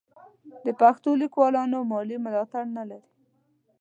د پښتو لیکوالان مالي ملاتړ نه لري.